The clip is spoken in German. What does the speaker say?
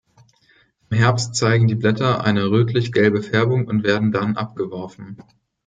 Im Herbst zeigen die Blätter eine rötlich-gelbe Färbung und werden dann abgeworfen.